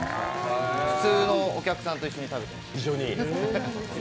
普通のお客さんと一緒に食べていました。